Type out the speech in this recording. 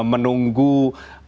menunggu restu presiden jokowi